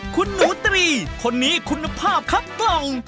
คุณหนูตรีคนนี้คุณภาพครับกล่อง